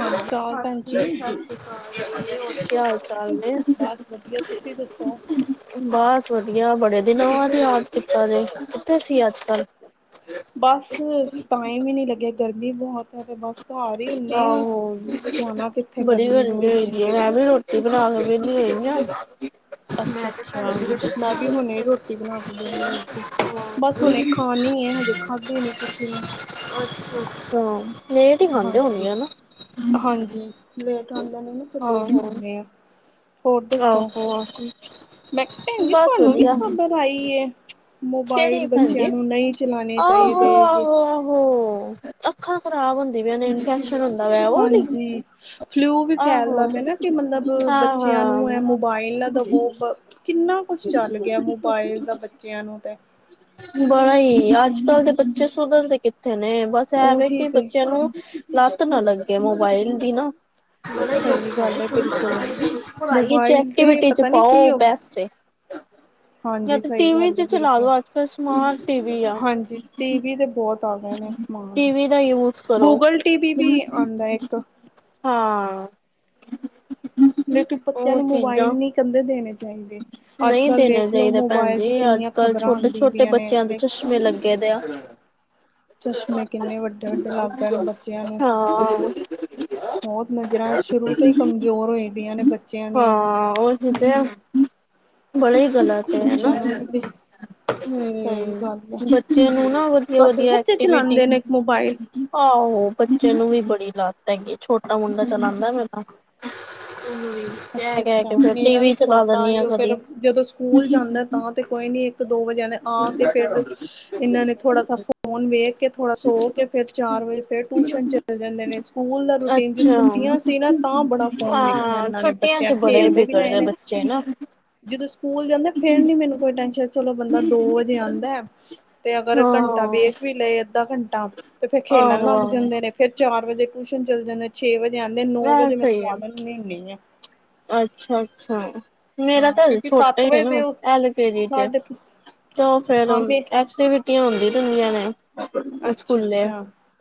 ਹਾਂਜੀ ਕਾਲ ਭੈਣ ਜੀ ਹਾਜੀ ਸਤਿ ਸ੍ਰੀ ਅਕਾਲ ਜੀ, ਹੋਰ ਕੀ ਹਾਲ ਚੱਲਦੇ ਬਸ ਵਧੀਆ ਤੁਸੀਂ ਆ, ਦੱਸੋ ਬਸ ਵਧੀਆ ਬੜੇ ਦਿਨਾਂ ਬਾਅਦ ਯਾਦ ਕੀਤਾ ਜੇ, ਕਿੱਥੇ ਸੀ ਅੱਜ ਕੱਲ? ਬਸ ਟਾਈਮ ਈ ਨੀ ਲੱਗਿਆ ਗਰਮੀ ਬਹੁਤ ਐ ਤੇ ਬਸ ਘਰ ਈ ਹੁੰਨੇ ਆ, ਆਹੋ, ਜਾਣਾ ਕਿੱਥੇ ਬੜੀ ਗਰਮੀ ਦੇ ਹੋਈ ਵਿੱਚ ਦੀ ਏ, ਮੈਂ ਵੀ ਰੋਟੀ ਬਣਾ ਕੇ ਵਿਹਲੀ ਹੋਈ ਆ। ਮੈਂ ਤੇ ਅੱਛਾ-ਅੱਛਾ, ਤੁਹਾਡੀ ਰੋਟੀ ਮੈਂ ਬਣਾ ਵੀ ਹੁਣੇ ਕੇ ਰੋਟੀ ਦਿੱਤੀ ਬਣਾ ਕੇ ਵਿਹਲੀ ਹੋਈ ਸੀ। ਹੋਰ ਬਸ ਹੁਣੇ ਖਾਣੀ ਐ ਹਜੇ ਖਾਧੀ ਨੀ ਕਿਸੇ ਨੇ। ਅੱਛਾ-ਅੱਛਾ, ਲੇਟ ਈ ਖਾਂਦੇ ਹਾਂਜੀ ਹੋਣੀ ਆ ਹਨਾ। ਹਾਂਜੀ ਲੇਟ ਆਉਂਦੇ ਨੇ ਨਾ ਫਿਰ ਲੇਟ ਆਹੋ। ਖਾਂਦੇ ਆ। ਹੋਰ ਦੱਸੋ, ਆਹੋ, ਮੈਂ ਕਿਹਾ ਭੈਣ ਜੀ ਬਸ ਤੁਹਾਨੂੰ ਵੀ ਵਧੀਆ, ਖਬਰ ਪਾਈ ਐ ਕਿਹੜੀ ਮੋਬਾਈਲ ਭੈਣ ਬੱਚਿਆਂ ਜੀ? ਨੂੰ ਨਈ ਚਲਾਣੇ ਆਹੋ, ਚਾਹੀਦੇ ਹੈਗੇ। ਆਹੋ, ਆਹੋ, ਅੱਖਾਂ ਖ਼ਰਾਬ ਹੁੰਦੀਆ ਪਈਆ ਨੇ ਇਨਫੈਕਸ਼ਨ ਹੁੰਦਾ ਪਿਆ ਉਹ ਆਲੀ? ਹਾਂਜੀ, ਫਲੂ ਵੀ ਫੈਲਦਾ ਆਹੋ, ਪਿਆ ਨਾ ਕਿ ਮਤਲਬ ਹਾਂ ਬੱਚਿਆਂ ਹਾਂ ਨੂੰ ਐ ਮੋਬਾਇਲ ਨਾ ਦਵੋ ਕਿੰਨਾ ਕੁਛ ਚੱਲ ਗਿਆ ਮੋਬਾਇਲ ਦਾ ਬੱਚਿਆਂ ਨੂੰ ਤੇ ਬੜਾ ਈ ਅੱਜ ਕੱਲ ਦੇ ਬੱਚੇ ਸੁਧਰਦੇ ਕਿੱਥੇ ਨੇ ਬਸ ਸ਼ਾਇਦ ਉਹੀ ਕੇ ਤੇ ਬੱਚਿਆਂ ਨੂੰ ਲੱਤ ਨਾ ਲੱਗੇ ਮੋਬਾਇਲ ਦੀ ਨਾ। [unintelligible] ਸਹੀ ਗੱਲ ਹੈ ਬਿਲਕੁਲ ਮੋਬਾਇਲ ਤੇ ਐਕਟੀਵਿਟੀ ਚ ਪਤਾ ਨੀ ਕੀ ਪਾਓ ਹੋ ਬੈਸਟ ਐ। ਯ ਹਾਂਜੀ ਤੇ ਸਹੀ ਟੀਵੀ ਗੱਲ ਹੈ ਚ ਚਲਾ ਬਿਲਕੁਲ ਦੋ ਅੱਜ ਕੱਲ ਸਮਾਰਟ ਟੀਵੀ ਆ। ਹਾਂਜੀ ਟੀਵੀ ਤਾਂ ਬਹੁਤ ਆ ਗਏ ਨੇ ਸਮਾਨ ਟੀਵੀ ਦਾ ਯੂਜ ਕਰੋ ਗੂਗਲ ਟੀ ਵੀ ਵੀ ਆਦਾ ਇੱਕ ਹਾਂ, ਲੇਕਿਨ ਬੱਚਿਆਂ ਉਹ ਨੂੰ ਮੋਬਾਇਲ ਚੀਜ਼ਾਂ ਨੀ ਕਹਿੰਦੇ ਦੇਣੇ ਚਾਹੀਦੇ, ਅੱਜ ਨਹੀਂ ਕੱਲ ਦੇਣੇ ਵੇਖ ਲੋ ਚਾਹੀਦੇ ਭੈਣ ਮੋਬਾਇਲ ਜੀ ਚ ਕਿੰਨੀਆਂ ਅੱਜ ਕੱਲ੍ਹ ਖ਼ਬਰਾਂ ਆਉਂਦੀ ਛੋਟੇ-ਛੋਟੇ ਦੀਆਂ ਬੱਚਿਆਂ ਦੇ ਨੇ ਚਸ਼ਮੇ ਲੱਗੇ ਦੇ ਆ। ਚਸ਼ਮੇ ਕਿੰਨੇ ਵੱਡੇ-ਵੱਡੇ ਲਗ ਪਏ ਨੇ ਬੱਚਿਆਂ ਨੂੰ ਹਾਂ, ਬੋਤ ਨਜ਼ਰਾਂ ਸ਼ੁਰੂ ਤੋਂ ਈ ਕਮਜ਼ੋਰ ਹੋਈਆ ਪਈਆਂ ਨੇ ਬੱਚਿਆਂ ਦੀਆਂ ਹਾਂ ਉਹ ਹੁੰਦੇ ਆ, ਨਈ ਗਲਤ ਹੈ ਹਨਾ ਬੱਚਿਆਂ ਨੂੰ ਨੀ ਦੇ ਸਹੀ ਹੂੰ ਗੱਲ ਹੈ। ਬੱਚੇਆਂ ਨੂੰ ਨਾ ਓ ਤੁਹਾਡੇ ਵੱਧੀਆ ਬੱਚੇ ਐਕਟੀਵਿਟੀ। ਚਲਾਉਂਦੇ ਨੇ ਮੋਬਾਇਲ ਆਹੋ ਬੱਚੇ ਨੂੰ ਵੀ ਬੜੀ ਲਾਤ ਹੈਗੀ ਛੋਟਾ ਮੁੰਡਾ ਚਲਾਂਦਾ ਮੇ ਤਾਂ ਹੂੰ ਅੱਛਾ- ਅੱਛਾ ਮੇਰਾ ਵੀ ਛੋਟਾ ਈ ਓ ਫੇਰ ਕਦੀ। ਜਦੋਂ ਸਕੂਲ ਜਾਂਦਾ ਤਾਂ ਤੇ ਕੋਈ ਨੀ ਇੱਕ ਦੋ ਵਜੇ ਓਨੇ ਆ ਕੇ ਫਿਰ ਇਨ ਓ ਨੇ ਥੋੜਾ ਸਾ ਫੋਨ ਵੇਖ ਕੇ ਥੋੜਾ ਸੋ ਕੇ ਫੇਰ ਚਾਰ ਵਜੇ ਫੇਰ ਟਿਊਸ਼ਨ ਚ ਚਲੇ ਜਾਂਦੇ ਨੇ ਸਕੂਲ ਦਾ ਰੂਟੀਨ ਚ ਅੱਛਾ, ਛੁੱਟੀਆਂ ਸੀ ਨਾ ਤਾਂ ਬੜਾ ਫ਼ੋਨ ਵੇਖਿਆ ਹਾਂ ਏਨਾਂ ਨੇ। ਛੁੱਟੀਆਂ ਬੱਚੇਆਂ ਚ ਬੜੇ ਖੇਲਦੇ ਵੀ ਬਿਗੜ ਰਏ ਗਏ ਨੇ, ਬੱਚੇ ਨਾ। ਜਦੋਂ ਸਕੂਲ ਜਾਂਦੇ ਫੇਰ ਨੀ ਮੈਨੂੰ ਕੋਈ ਟੈਂਸ਼ਨ ਚਲੋ ਬੰਦਾ ਦੋ ਵਜੇ ਆਂਦਾ ਤੇ ਅਗਰ ਹਾਂ, ਘੰਟਾ ਵੇਖ ਵੀ ਲਏ ਅੱਧਾ ਘੰਟਾ ਤਾ, ਫੇਰ ਖੇਲਣ ਲੱਗ ਆਹੋ-ਆਹੋ ਜਾਂਦੇ ਨੇ ਫੇਰ ਚਾਰ ਵਜੇ ਟਿਊਸ਼ਨ ਚੱਲ ਜਾਂਦੇ। ਛੇ ਵਜੇ ਆਂਦੇ ਨੌ ਐ ਵਜੇ ਮੈਂ ਸਵਾ ਦਿੰਨੀ ਹੁੰਨੀ ਆ। ਅੱਛਾ -ਅੱਛਾ। ਮੇਰਾ ਹਾਂ ਤਾਂ ਹਜੇ ਕਿਉਂਕਿ ਛੋਟਾ ਸੱਤ ਏ ਵਜੇ ਨਾ ਦੇ ਉਹ ਐਲ ਕੇ ਜੀ ਚ, ਸਾਡੇ ਤੇ ਫੇਰ ਹਾਂ ਮੇ ਐਕਟੀਵੀਟੀਆ ਹੁੰਦੀ ਰੇਂਦੀਆਂ ਨੇ। ਅੱਛਾ ਸਕੂਲੇ -ਅੱਛਾ।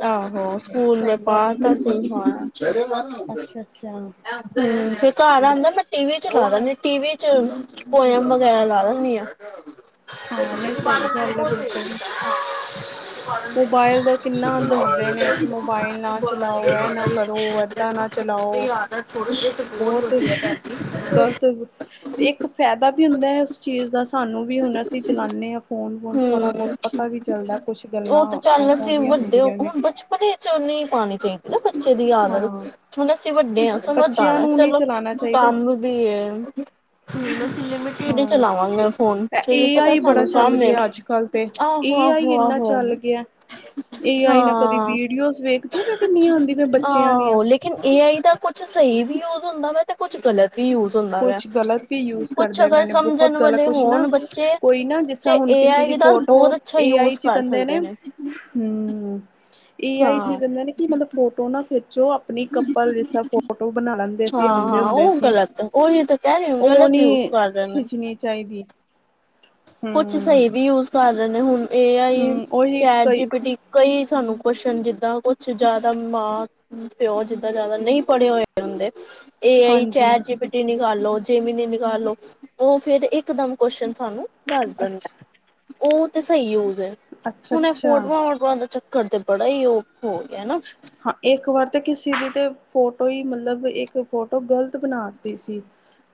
ਆਹੋ ਨਹੀਂ ਸਕੂਲ ਮੈਂ ਸਹੀ ਗੱਲ ਹੈ ਪਾਤਾ ਸੀ ਬਿਲਕੁਲ ਹਾ ਹੂੰ, ਜਦੋ ਘਰ ਅੱਛਾ ਅੱਛਾ ਆਂਦਾ ਮੈਂ ਟੀਵੀ ਚਲਾ ਦਿੰਨੀ ਟੀਵੀ ਚ ਪੋਇਮ ਵਗੈਰਾ ਲਾ ਦਿੰਨੀ ਆ। ਹਾਂ ਨਹੀਂ ਸਹੀ ਗੱਲ ਹੈ ਬਿਲਕੁਲ ਮੋਬਾਇਲ [unintelligible] ਦਾ ਕਿੰਨਾ ਦੱਸਦੇ ਨੇ ਕਿ ਮੋਬਾਇਲ ਨਾ ਚਲਾਓ ਇਹ ਨਾ ਕਰੋ [unintelligible] ਚਲਾਓ। ਪੁਰਸ਼। ਬੋਤ ਈ ਗ਼ਲਤ ਜੀ ਇੱਕ ਫੈਦਾ ਵੀ ਹੁੰਦਾ ਹੈ ਉਸ ਚੀਜ਼ ਦਾ ਸਾਨੂੰ ਵੀ ਹੁਣ ਅਸੀਂ ਚਲਾਨੇ ਆ ਫੋਨ- ਫੁਨ ਥੋੜ੍ਹਾ ਹੂੰ ਬੋਤ ਪਤਾ ਵੀ ਚੱਲਦਾ ਕੁਛ ਗੱਲਾਂ ਏਦਾ ਦੀਆਂ ਹੁੰਦੀਆਂ ਨੇ। ਪੰਜਚਪ ਚਨੀ ਪਾਣੀ ਚਾਹੀ ਏ ਬੱਚੇ ਦੀ ਆਦਤ, ਹਾਂ ਹੁਣ ਅਸੀਂ ਵੱਡੇ ਹਾਂ ਸਾਨੂੰ ਬੱਚਿਆਂ ਬਾਹਰ ਨੂੰ ਨਹੀਂ ਚਲੋ ਚਲਾਉਣਾ ਕੋਈ ਚਾਹੀਦਾ ਕੰਮ ਨੂੰ ਜੀ ਕਿਵੇਂ, ਹਾਂ ਚਲਾਵਾ ਗੀ ਮੈਂ ਫੋਨ ਫਿਰ ਏ ਪਤਾ ਆਈ ਬੜਾ ਸਾਨੂੰ ਚੱਲ ਕੰਮ ਏ। ਗਿਆ ਅੱਜ ਕੱਲ੍ਹ ਤੇ ਆਹੋ- ਏ ਆਈ ਆਹੋ -ਆਹੋ ਇੰਨਾ -ਆਹੋ। ਚੱਲ ਗਿਆ ਏ ਆਈ ਨਾਲ ਕਦੀ ਹਾਂ ਵੀਡੀਓਜ਼ ਵੇਖਦੀ ਮੈਂ ਕਿੰਨੀਆਂ ਆਂਦੀਆਂ ਪਈਆਂ ਬੱਚੇਆਂ ਦੀਆਂ ਆਹੋ ਲੇਕਿਨ, ਏ ਆਈ ਦਾ ਕੁਛ ਸਹੀ ਵੀ ਯੂਜ਼ ਹੁੰਦਾ ਵਾ, ਤੇ ਕੁਛ ਗਲਤ। ਵੀ ਯੂਜ ਹੁੰਦਾ ਵਾ, ਕੁਛ ਗਲਤ ਵੀ ਯੂਜ ਕੁਛ ਕਰਦੇ ਅਗਰ ਮੈਨੇ ਬਹੁਤ ਸਮਝਣ ਗਲਤ ਵਾਲੇ ਕੁਛ ਨਾ ਹੋਣ ਬੱਚੇ ਕੋਈ ਨਾ ਜਿਸ ਤੇ ਤਰ੍ਹਾਂ ਏ, ਹੁਣ ਏ ਕਿਸੇ ਦੀ ਆਈ ਦ ਫੋਟੋ ਬੋਤ ਅੱਛਾ ਏ ਆਈ ਯੂਜ ਚ ਕਰ ਕਹਿੰਦੇ ਸਕਦੇ ਨੇ। ਹੂੰ, ਏ ਆਈ ਚ' ਹਾਂ। ਕੇਂਦੇ ਨੇ ਕਿ ਮਤਲਬ ਫੋਟੋ ਨਾ ਖਿੱਚੋ ਆਪਣੀ ਕਪਲ ਜਿਸ ਤਰਾ ਫੋਟੋ ਬਣਾ ਲੈਂਦੇ ਸੀ ਆਂਦੇ ਹਾਂ-ਹਾਂ ਹੁੰਦੇ ਉਹ ਸੀ। ਗ਼ਲਤ ਉਹੀ ਤਾਂ ਕੈ ਰਈ ਹੂੰ ਗਲਤ ਯੂਜ਼ ਕਰ ਰਹੇ ਨੇ। ਨਈ ਚਾਈਦੀ। ਕੁਛ ਸਹੀ ਵੀ ਯੂਜ ਕਰ ਰਹੇ ਨੇ ਹੁਣ ਏ ਆਈ, ਹੂੰ ਉਹੀ ਚੈਟ ਕਈ ਜੀ ਪੀ ਟੀ ਕਈ ਸਾਨੂੰ ਕੋਸ਼ਨ ਜਿੱਦਾ ਕੁਛ ਜ਼ਿਆਦਾ ਮਾਂ ਪਿਓ ਜਿੱਦਾ ਜਾਦਾ ਨਹੀਂ ਪੜ੍ਹੇ ਹੋਏ ਹੁੰਦੇ ਏ ਆਈ ਹਾਂਜੀ ਚੈਟ ਜੀ ਪੀ ਜੈ਼ਮਨੀ ਨਿਕਾਲੋ ਜੇ਼ਮਨੀ ਨਿਕਾਲੋ ਉਹ ਫੇਰ ਇੱਕ ਦਮ ਕੋਸ਼ਨ ਸਾਨੂੰ ਦੱਸ ਦਿੰਦਾ ਅੱਛਾ ਉਹ ਤੇ ਸਹੀ ਯੂਜ ਐ, ਅੱਛਾ ਹੁਣ ਏ ਅੱਛਾ ਫੋਟਵਾ। ਉਹਨਾਂ ਦਾ ਚੱਕਰ ਤੇ ਬੜਾ ਹੀ ਉਹ, ਹੋ ਗਿਐ ਨਾ। ਹਾਂ, ਇੱਕ ਵਾਰ ਤੇ ਕਿਸੇ ਦੀ ਤੇ ਫੋਟੋ ਹੀ ਮਤਲਬ ਇੱਕ ਫੋਟੋ ਗਲਤ ਬਣਾ। ਤੀਂ ਸੀ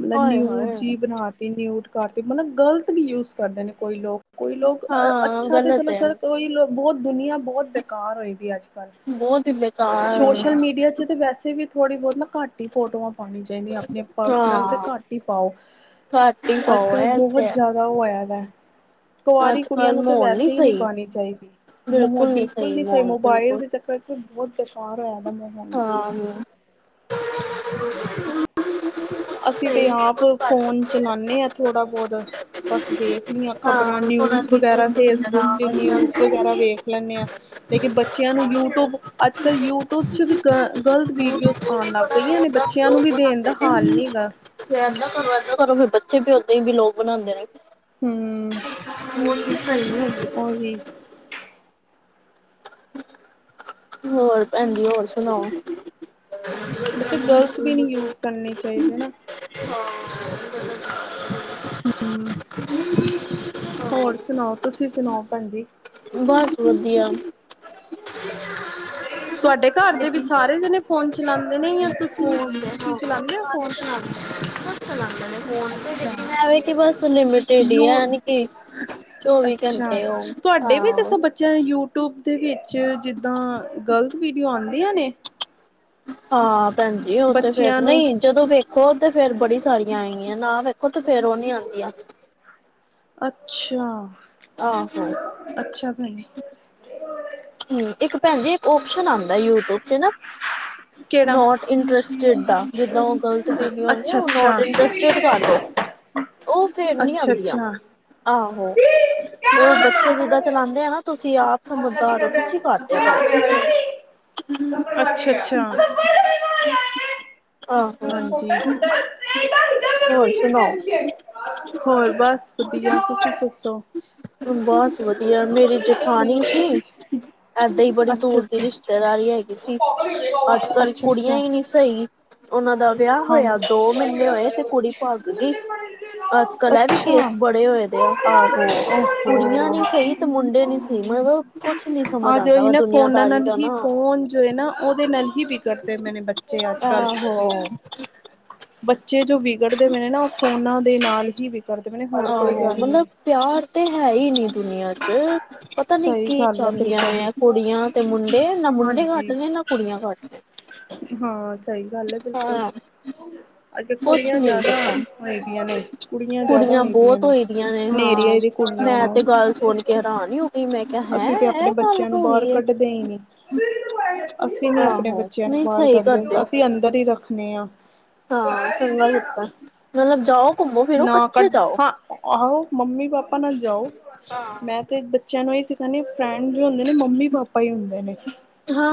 ਮਤਲ ਹਾਏ ਨਿਊੂਜ ਹਾਏ ਜੀ ਬਣਾਤੀ। ਮਿਊਟ ਕਰਤੀ ਮਤਲ ਗਲਤ ਯੂਜ਼ ਕਰਦੇ ਨੇ ਕੋਈ ਲੋਕ। ਕੋਈ ਲੋਕ ਹਾਂ ਅੱਛਾ, ਤੇ ਗਲਤ ਚਲੋ ਹੈ ਚਰ ਕੋਈ ਲੋਕ ਬਹੁਤ ਦੁਨੀਆਂ ਬਹੁਤ ਬੇਕਾਰ ਹੋਈ ਦੀ ਅੱਜ ਕੱਲ੍ਹ। ਬੋਤ ਹੀ [unintelligible] ਸੋਸ਼ਲ ਮੀਡੀਆ ਚ ਤੇ ਵੈਸੇ ਵੀ ਥੋੜ੍ਹੀ ਬੋਤ ਨਾ ਘੱਟ ਹੀ ਫੋਟੋਆਂ ਪਾਂਣੀ ਚਾਹੀਦੀਆਂ, ਆਪਣੇ ਪਰਸਨਲ ਤੇ ਹਾਂ ਘੱਟ ਈ ਪਾਓ, ਘੱਟ ਹੀ ਅੱਜ ਪਾਓ ਕੱਲ੍ਹ ਹੈ ਬਹੁਤ ਜਾਦਾ ਉਹ ਹੋਇਆਂ ਦੈ। ਕੁਵਾਰੀ ਅੱਜ ਕੁੜੀਆਂ ਕੱਲ ਨੂੰ ਤੇ ਮਾਹੌਲ ਵੈਸੇ ਈ ਨੀ ਸਹੀ ਪਾਂਣੀ ਚਾਹੀਦੀ। ਮਾਹੌਲ ਬਿਲਕੁਲ ਨਹੀਂ ਬਿੱਲਕੁਲ ਸਹੀ ਨੀ ਸਈ ਮੋਲ ਮੋਬਾਇਲ ਬਿਲਕੁਲ ਦੇ ਚੱਕਰ ਚ' ਬਹੁਤ ਬੇਕਾਰ ਹੋਇਆ ਦਾ ਕੰਮ ਹਾਂ [unintelligible] ਅਸੀਂ ਸਹੀ ਤੇ ਵੀ ਆਪ ਯੂਜ ਕਰ ਫੋਨ ਸਕਦੇ ਆ ਚਲਾਨੇਂ ਆਂ ਥੋੜ੍ਹਾ ਬੋਤ। ਬਸ ਵੇਖ ਲਈਆ ਖ਼ਬਰਾਂ, ਹਾਂ ਥੋੜਾ ਨਿਊਜ ਵਗੈਰਾ ਨਿਊਜ਼ ਫੇਸਬੁੱਕ ਵਗੈਰਾ ਚ' ਨਿਊਜ਼ ਵਗੈਰਾ ਵੇਖ। ਵੇਖ ਲੈਣੇ ਆਂ ਲੇਕਿਨ ਬੱਚਿਆਂ ਨੂੰ ਯੂਟੂਬ ਅੱਜ ਕੱਲ੍ਹ ਯੂਟੂਬ। ਕੁਛ ਵੀ ਗ ਗ਼ਲਤ ਵੀਡੀਓਜ਼ ਆਣ ਵੀ ਲੱਗ ਬੜਾ ਗਈਆ ਨੇ, ਉਹਦਾ ਬੱਚਿਆਂ ਨੂੰ ਵੀ ਦੇਣ ਦਾ ਹਾਲ ਨੀ। ਫੇਰ ਏਦਾਂ ਕਰੋ, ਏਦਾਂ ਕਰੋ ਫੇਰ ਬੱਚੇ ਵੀ ਓਦਾਂ ਹੀ ਵੀਲੋਗ ਬਣਾਂਦੇ ਨੇ। [inaudible] ਹਮ ਹੋਰ ਕੀ ਕਰਦੇ ਓ ਉਹੀ ਹੋਰ ਭੈਣ ਜੀ ਹੋਰ ਸੁਣਾਓ। ਬੇਟੇ ਗ਼ਲਤ ਵੀ ਨੀ ਯੂਜ਼ ਕਰਨੀ ਚਾਹੀਦੀ ਨਾ। ਹਾਂ [unintelligible] ਹਮਮ---ਹੋਰ ਸੁਣਾਓ, ਤੁਸੀਂ ਸੁਣਾਓ ਭੈਣ ਜੀ। ਬਸ ਵਧੀਆਂ। ਹ [inaudible] ਤੁਆਡੇ ਘਰ ਦੇ ਵੀ ਸਾਰੇ ਜਾਣੇ ਫੋਨ ਚਲਾਂਦੇ ਨੇ ਯਾ ਤੁਸੀ। ਫੋਨ ਤੇ ਹਾਂ [unintelligible] ਸਾਰੇ ਚਲਾਂਦੇ ਨੇ, ਸਭ ਚਲਾਂਦੇ ਨੇ ਫੋਨ ਬਸ ਅੱਛਾ ਐ ਵੇ ਕਿ ਬਸ ਲਿਮਟ। ਟੇਡੀ ਯੂ ਆਨ ਕੀ। ਅੱਛਾ, ਤੁਆਡੇ ਵੀ ਹਾਂ ਦੱਸੋ ਬੱਚ। ਚੇ ਯੂਟੂਬ ਦੇ ਵਿੱਚ ਜਿਦਾਂ ਗਲਤ ਵੀਡੀਓ ਆਂਦੀਆਂ ਨੇ। ਹਾਂ, ਭੈਣ ਜੀ ਉਹ ਤੇ ਬੱਚਿਆਂ ਫੇਰ ਨੂੰ ਨਈ। ਜਦੋਂ ਵੇਖੋ ਤੇ ਫੇਰ ਬੜੀ ਸਾਰੀਆਂ ਆਏਗੀਆਂ, ਨਾ ਵੇਖੋ ਤੇ ਫੇਰ ਉਹ ਨੀ ਆਂਦੀਆਂ। ਅੱਛਾ ਆਹੋ। ਅੱਛਾ ਭੈਣ ਇੱਕ ਭੈਣ ਜੀ ਇੱਕ ਓਪਸ਼ਨ ਆਂਦੈ ਯੂਟੂਬ ਚ ਨਾ ਕਿਹੜਾ ਨੋਟ ਇੰਟਰਸਟਿਡ ਦਾ, ਜਿਦਾਂ ਉਹ ਗਲਤੀ ਵੀਡੀਓ ਆਂਦੀਆਂ, ਅੱਛਾ ਉਹ ਨੋਟ ਅੱਛਾ ਇੰਟਰਸਟਿਡ ਕਰ ਦੋ ਉਹ ਫੇਰ ਨੀ ਆਂਦੀਆਂ। ਅੱਛਾ ਆਹੋ ਉਹ ਬੱਚੇ ਜਿੱਦਾਂ ਚਲਾਂਦੇ ਆਂ ਨਾ ਤੁਸੀਂ ਆਪ ਬੱਚਾ ਕੀ ਸਮਝਦਾਰ ਕਰਦੈ [unintelligible] ਕਰੋ ਅੱਛਾ ਅੱਛਾ ਹਮ [inaudible] ਹਾਂਜੀ ਹੋਰ ਸੁਣਾਓ [unintelligible] ਹੋਰ ਬਸ ਵਧੀਆ ਤੁਸੀਂ ਦੱਸੋ। ਬਸ ਵਧੀਆ, ਮੇਰੀ ਜੇਠਾਨੀ ਸੀ ਏਦਾਂ ਹੀ ਬੜੀ ਅੱਛਾ ਦੂਰ ਦੀ ਅੱਛਾ ਰਿਸ਼ਤੇਦਾਰੀ ਹੈਗੀ ਸੀ, ਅੱਜ ਕੱਲ ਅੱਛਾ ਕੁੜੀਆਂ ਅੱਛਾ ਹੀ ਨਹੀ ਸਹੀ। ਉਹਨਾਂ ਦਾ ਵਿਆਹ ਹੋਇਆ, ਦੋ ਮਹੀਨੇ ਹਾਂਜੀ ਹੋਏ ਤੇ ਕੁੜੀ ਭੱਗ ਗਈ, ਅੱਜ। ਕਲਾ ਵੀ ਅੱਛਾ ਕੇਸ ਬੜੇ ਹੋਏ ਦੇ ਆ, ਆਹੋ ਕੁੜੀਆਂ ਓਹੋ ਨੀ ਸਹੀ ਤੇ ਮੁੰਡੇ ਨੀ ਸਹੀ, ਮੈਂ ਕੁਛ ਨੀ ਸੁ ਆਜੋ ਜਿਨੇ ਫੋਨਾ ਨਾਲ ਹੀ ਫੋਨ ਫੋਨ ਜੋ ਹੈ ਨਾ ਉਹਦੇ ਨਾਲ ਹੀ ਵਿਗੜਦੇ ਪਏ ਨੇ ਬੱਚੇ ਅੱਜ ਕੱਲ੍ਹ। ਹ। ਬੱਚੇ ਜੋ ਵਿਗੜਦੇ ਪਏ ਨੇ ਨਾ, ਉਹ ਫੋਨਾ ਦੇ ਨਾਲ ਹੀ ਵਿ ਆਹੋ, ਮਤਲਬ ਪਿਆਰ ਤੇ ਹੈ ਹੀ ਨੀ ਦੁਨੀਆਂ ਚ, ਪਤਾ ਨੀ ਸਹੀ ਕੀ ਗੱਲ ਆ ਚਾਹੁੰਦੀਆਂ ਬਿਲਕੁਲ। ਨੇ। ਕੁੜੀਆਂ ਤੇ ਮੁੰਡੇ, ਨਾ ਮੁੰਡੇ ਘੱਟ ਹਾਂਜੀ। ਨੇ ਨਾ ਕੁੜੀਆਂ ਘੱਟ ਨੇ। ਹਾਂ, ਸਹੀ ਗੱਲ ਹੈ ਬਿਲਕੁਲ। ਹਾਂ। ਅੱਜ ਕੁਛ ਕੁੜੀਆਂ ਨੀ ਜ਼ਿਆਦਾ ਪਤਾ। ਹੋਈ ਦੀਆਂ ਨੇ, ਕੁੜੀਆਂ ਜ਼ਿਆਦਾ ਹੋਈ ਦੀਆਂ ਨੇ। ਨੇ ਹਾਂ, ਨੇਰੀਏ ਦੀ ਕੁੜੀਆਂ ਮੈਂ ਤੇ ਨੂੰ ਗੱਲ ਸੋਚ ਕੇ ਹੈਰਾਨ ਹੀ ਮੈਂ ਕਿਹਾ ਹੈਂ, ਅਸੀਂ ਤੇ ਆਪਣੇ ਇਹ ਗੱਲ ਬੱਚਿਆਂ ਨੂੰ ਹੋ ਗਈ ਬਾਹਰ ਏ। ਕੱਢਦੇ ਹੀ ਨਹੀਂ। ਅਸੀਂ ਨੀ ਆਪਣੇ ਆਹੋ ਬੱਚਿਆਂ ਨੂੰ ਨਹੀਂ ਬਾਹਰ ਸਹੀ ਕੱਢਦੇ, ਕਰਦੇ ਹੋ ਅਸੀਂ ਅੰਦਰ ਹੀ ਰੱਖਣੇ ਹਾਂ। ਹਾਂ ਚੰਗਾ ਕੀਤਾ, ਮਤਲਬ ਜਾਓ। ਘੁੰਮੋ ਫਿਰੋ ਨਾ ਕਢ ਇਕੱਠੇ ਜਾਓ ਹਾਂ, ਆਹੋ ਮੰਮੀ ਪਾਪਾ ਨਾਲ ਜਾਓ, ਮੈਂ ਤੇ ਬੱਚਿਆਂ ਨੂੰ ਇਹ ਸਿਖਾਂਦੇ, ਫਰੈਂਡ ਜੋ ਹੁੰਦੇ ਨੇ, ਮੰਮੀ ਪਾਪਾ ਹੀ ਹੁੰਦੇ ਨੇ।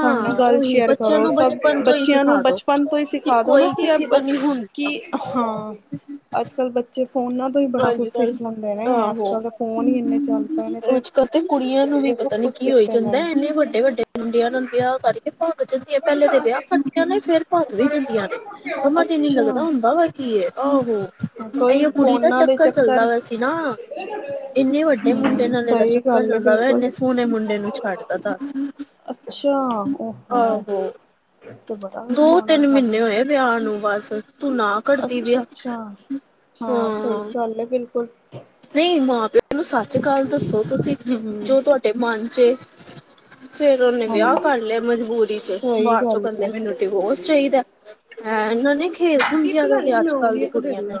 ਸਾਡੇ ਨਾਲ ਗੱਲ ਉਹੀ ਸ਼ੇਅਰ ਬੱਚਿਆਂ ਕਰੋ, ਨੂੰ ਸਭ ਬਚਪਨ ਤੋਂ ਹੀ ਬੱਚਿਆਂ ਨੂੰ ਸਿਖਾ ਦੋ ਬਚਪਨ ਤੋਂ ਹੀ ਕਿ ਸਿਖਾ ਦੋ ਨਾ ਕੋਈ ਕਿ ਕਿਸੇ ਦਾ ਨਹੀਂ ਹੁੰਦਾ ਕੀ ਹਾਂ। ਅੱਜ ਕੱਲ੍ਹ ਬੱਚੇ ਫੋਨਾਂ ਤੋਂ ਹੀ ਬੜਾ ਅੱਜ ਕੁਛ ਸਿੱਖ ਕੱਲ ਲੈਂਦੇ ਨੇ, ਅੱਜ ਕੱਲ ਤਾਂ ਫੋਨ ਹੀ ਇੰਨੇ ਚੱਲ ਪਏ ਨੇ ਤੇ। ਕਦੇ ਕੁੜੀਆਂ ਨੂੰ ਵੀ ਪਤਾ ਬਹੁਤ ਨੀ ਕੁਛ ਕੀ ਹੋਈ ਸਿੱਖਦੇ ਪਏ ਜਾਂਦਾ, ਨੇ। ਇੰਨੇ ਵੱਡੇ- ਵੱਡੇ ਮੁੰਡਿਆਂ ਨਾਲ ਵਿਆਹ ਕਰਕੇ ਭਗ ਭ ਜਾਂਦੀਆਂ, ਪਹਿਲੇ ਦੇ ਵਿਆਹ ਕਰਦੀਆਂ ਨੇ, ਫਿਰ ਭੱਗ ਵੀ ਜਾਂਦੀਆਂ ਨੇ, ਸਮਝ ਇਨੀ ਲੱਗਦਾ ਹੁੰਦਾ ਵਾ ਕੀ ਏ ਆਹੋ। ਕਈ ਇਹੀਓ ਕੁੜੀ ਫੋਨ ਦਾ ਚੱਕਰ ਚੱਲਦਾ ਪਿਆ ਸੀ ਨਾ। ਇੰਨੇ ਵੱਡੇ ਮੁੰਡੇ ਹੂੰ ਨਾਲੇ ਦਾ ਸਹੀ ਚੱਕਰ ਗੱਲ ਹੈ ਚੱਲਦਾ ਵ, ਬਿਲਕੁਲ। ਇੰਨੇ ਸੋਹਣੇ ਮੁੰਡੇ ਨੂੰ ਛੱਡਦਾ ਦੱਸ। ਅੱਛਾ, ਓਹੋ। ਆਹੋ ਤੇ ਬੜਾ ਦੋ ਮਾੜਾ ਤਿੰਨ ਗੱਲ ਹੈ। ਮਹੀਨੇ ਹੋਏ ਵਿਆਹ ਨੂੰ ਬਸ, ਤੂੰ ਨਾ ਕਰਦੀ ਅੱਛਾ ਵਿਆਹ। ਅੱਛਾ ਹਾਂ ਸਹੀ ਗੱਲ ਏ ਬਿਲਕੁਲ। ਨਹੀਂ ਮਾਂ ਪਿਓ ਨੂੰ ਸੱਚ ਗੱਲ ਦੱਸੋ ਤੁਸੀਂ, ਹੂੰ ਜੋ ਤੁਹਾਡੇ ਮਨ ਚ ਏ। ਫੇਰ ਉਹਨੇ ਹਾਂ ਵਿਆਹ ਕਰ ਲਿਆ ਮਜਬੂਰੀ ਚ, ਸਹੀ ਬਾਅਦ ਚੋਂ ਗੱਲ ਕਹਿੰਦੀ ਹੈ ਮੈਨੂੰ ਡਿਵੋਰਸ ਚਾਹੀਦਾ, ਹੈ ਇਹਨਾਂ ਨੇ ਖੇਲ ਸਮਝਿਆ ਤਾਂ ਜੇ ਅੱਜ ਕੱਲ ਦੀ ਕੁੜੀਆਂ ਨੇ।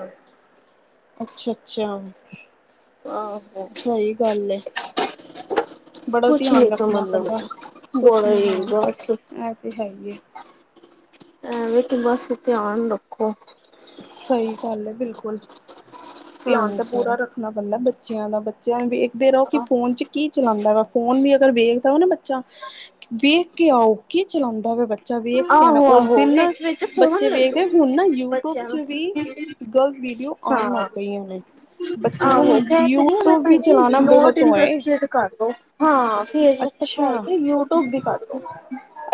ਅੱਛਾ -ਅੱਛਾ ਆਹੋ ਸਹੀ ਗੱਲ ਏ। ਬੜਾ ਕੁਛ ਨਹੀਂ ਧਿਆਨ ਸਮਝ ਰੱਖਣਾ ਪੈਂਦਾ, ਲੱਗਦਾ ਕੁਛ ਬੜਾ ਨੀ ਹੀ ਹਾਂ ਬਸ ਇਹ ਤੇ ਹੈ ਹੀਏ। ਐਵੇਂ ਕਿ ਬਸ ਧਿਆਨ ਰੱਖੋ। ਸਹੀ ਗੱਲ ਐ ਬਿਲਕੁਲ। ਧਿਆਨ ਤਾਂ ਹਾਂਜੀ ਪੂਰਾ ਰੱਖਣਾ ਪੈਂਦਾ ਬੱਚਿਆਂ ਦਾ, ਬੱਚਿਆਂ ਦਾ ਵਿਖਦੇ ਰਹੋ ਕਿ ਆਹ- ਫੋਨ 'ਚ' ਕੀ ਚਲਾਉਂਦਾ ਵਾ, ਫੋਨ ਵੀ ਅਗਰ ਵੇਖਦਾ ਨਾ ਬੱਚਾ ਵੇਖ ਕੇ ਆਓ ਕੀ ਚਲਾਉਂਦਾ ਵਾ ਬੱਚਾ। ਜਾ ਵੇਖ ਕੇ ਨਾ ਆਹੋ ਉਸ ਆਹੋ ਦਿਨ ਨਾ ਵਿੱਚ ਵਿੱਚ ਫੋਨ ਬੱਚੇ ਲੈ ਲੋ ਵੇਖਦੇ ਹੁਣ ਨਾ ਯੂਟਿਊਬ ਬੱਚਿਆਂ ਚ ਨੂੰ ਵੀ ਗਲਤ ਵੀਡੀਓ ਹਾਂ ਆਉਣ ਲਗ ਪਈਆਂ ਨੇ, ਬੱਚਿਆਂ ਨੂੰ ਆਹੋ ਹੁਣ ਕਹਿ ਤੇ ਰਹੀ ਯੂਟਿਊਬ ਵੀ ਚਲਾਣਾ ਬਹੁਤ ਉਹ ਏ। ਕਟਦੋ, ਹਾਂ ਫੇਸਬੁੱਕ ਤੇ ਖੈ ਅੱਛਾ ਕੇ ਯੂਟਿਊਬ ਵੀ ਕਟਦੋ।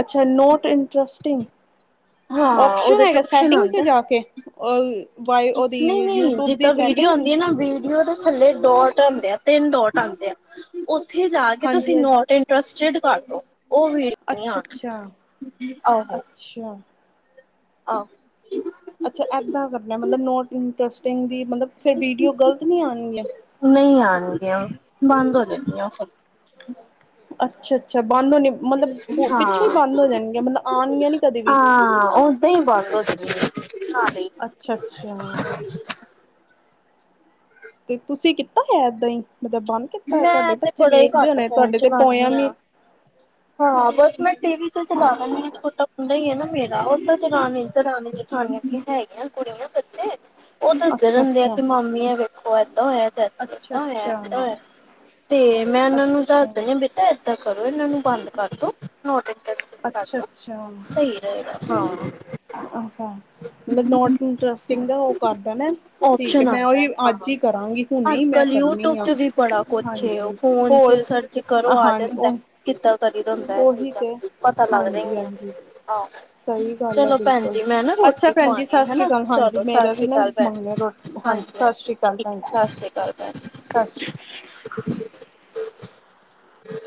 ਅੱਛਾ, ਨੋਟ ਇੰਟਰਰੇਸਟਿੰਗ। ਹਾਂ ਓਪਸ਼ਨ ਉਹਦੇ ਚ ਹੈਗਾ, ਆਪਸ਼ਨ ਸੈਟਿੰਗ ਤੇ ਆਉਂਦਾ ਜਾ ਕੇ, ਓਹੀ ਉਹਦੀ ਯੂਟਊਬ। ਤਾਂ ਵੀਡੀਓ ਹੁੰਦੀ ਨਾ ਉਹਦੇ ਥੱਲੇ ਡੋਟ ਆਦੇ ਆਂ, ਤਿੰਨ ਡੋਟ ਆਂਦੇ ਆ ਉੱਥੇ ਜਾ ਕੇ ਹਾਂਜੀ ਤੁਸੀਂ ਹਾਂਜੀ ਨੋਟ ਇੰਟਰਸਟਡ ਕਰ ਲਓ ਉਹ ਵੀਰ ਅੱਛਾ ਆਦੀ, ਅੱਛਾ ਆਹੋ। ਅੱਛਾ ਆਹ ਅੱਛਾ ਏਦਾਂ ਕਰਨਾ ਮਤਲਬ ਨੋਟ ਇੰਟਰਸਟਡ ਦੀ ਮਤਲਬ ਫਿਰ ਵੀਡੀਓ ਗਲਤ ਨੀ ਆਣਗੀਆਂ ਨਹੀਂ ਆਣਗੀਆਂ ਬੰਦ ਹੋ ਜਾਂਦੀਆਂ ਫਿਰ ਅੱਛਾ- ਅੱਛਾ ਬੰਦ ਹੋਣੀ ਮਤਲਬ ਪਿੱਛੋਂ ਹੀ ਹਾਂ ਬੰਦ ਹੋ ਜਾਣਗੀਆਂ ਮਤਲਬ ਆਣਗੀਆਂ ਨਹੀਂ ਕਦੇ ਵੀ ਹਾਂ ਉਹ [unintelligible] ਅੱਛਾ ਅੱਛਾ ਤੇ ਤੁਸੀਂ ਕੀਤਾ ਹੋਇਆ ਏਦਾਂ ਹੀ ਮਤਲਬ ਬੰਦ ਕੀਤਾ ਹੋਇਆ ਤੁਹਾਡੇ ਮੈਂ ਤੇ ਬੱਚੇ ਵੇਖਦੇ ਹੋਣੇ ਆਂ ਤੁਹਾਡੇ ਤੇ ਪੋਇਆਂ ਵੀ ਹਾਂਜੀ, ਹਾਂਜੀ ਹਾਂ ਬਸ ਮੈਂ ਟੀ ਵੀ ਤੋਂ ਚਲਾ ਦਿੰਨੀ ਛੋਟਾ ਮੁੰਡਾ ਈ ਹੈ ਨਾ ਮੇਰਾ ਉਹ ਤਾਂ ਚਲਾਣ ਇਧਰ ਹਾਂਜੀ ਜੀ ਹੈਗੀਆਂ ਕੁੜੀਆਂ ਬੱਚੇ। ਉਹ ਦੱਸਦੇ ਅੱਛਾ ਰਹਿੰਦੇ ਆ ਅੱਛਾ ਕਿ ਮਾਮੀ ਆ ਵੇਖੋ ਏਦਾਂ ਹੋਇਆ ਚਾਚੀ ਅੱਛਾ ਏਦਾਂ ਹੋਇਆ ਏਦਾਂ ਅੱਛਾ ਹੋਇਆ। ਤੇ ਮੈਂ ਇਹਨਾਂ ਨੂੰ ਦੱਸ ਅੱਛਾ। ਦੀ ਹਾਂ ਬੇਟਾ ਏਦਾਂ ਕਰੋ ਇਹਨਾਂ ਨੂੰ ਬੰਦ ਕਰਦੋ ਨੌਟ ਇੰਟ੍ਰਸਟ। ਬੰਦ ਅੱਛਾ ਕਰਦੋ ਅੱਛਾ ਸਹੀ ਰਹੇਗਾ ਹਾਂ। ਅੱਛਾ ਮਤਲਬ ਨੌਟ ਇੰਟਰਸਟਿੰਗ ਦਾ ਉਹ ਕਰਦਾ ਨਾ। ਠੀਕ ਹੈ। ਓਪਸ਼ਨ ਮੈਂ ਆਉਂਦਾ ਉਹੀ ਮੈ ਅੱਜ ਹਾਂ ਹੀ ਕਰਾਂਗੀ ਹੁਣੀ ਅੱਜ ਮੈਂ ਕੱਲ ਯੂਟਿਊਬ ਕਰਨੀ ਆ। ਚ ਵੀ ਬੜਾ ਕੁਛ ਏ ਉਹ ਹਾਂਜੀ ਫੋਨ ਹੋਰ ਚ ਸਰਚ ਕਰੋ ਆ ਹਾਂ ਜਾਂਦਾ। ਉਹ ਕਿਦਾਂ ਕਰੀਦਾ ਹੁੰਦਾ ਏਹ ਉਹੀ ਚੀਜਾਂ। ਤੇ ਹਾਂਜੀ! ਹਾਂਜੀ। ਹਾਂ ਸਹੀ ਗੱਲ ਹੈ ਚਲੋ। ਬਿਲਕੁਲ ਭੈਣਜੀ ਮੈਂ ਨਾ ਅੱਛਾ ਰੋਟੀ ਭੈਣ ਜੀ ਖਵਾਉਣੀ ਆ ਸਤਿ ਸ਼੍ਰੀ ਹਨਾ ਅਕਾਲ ਹਾਂਜੀ ਚਲੋ ਸਤਿ ਮੇਰਾ ਵੀ ਸ਼੍ਰੀ ਨਾ ਅਕਾਲ ਮੰਗਣਾ ਭੈਣਜੀ ਰੋਟੀ ਹਾਂਜੀ! ਸਤਿ ਹਾਂਜੀ। ਸ਼੍ਰੀ ਅਕਾਲ ਠੀਕ ਏ ਭੈਣ ਜੀ ਸਤਿ ਸ੍ਰੀ ਅਕਾਲ ਭੈਣ ਜੀ ਸਤਿ ਸ਼੍ਰੀ [unintelligible] [unintelligible]